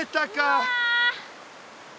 うわ。